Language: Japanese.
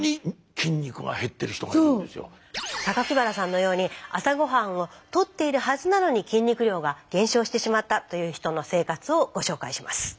原さんのように朝ごはんをとっているはずなのに筋肉量が減少してしまったという人の生活をご紹介します。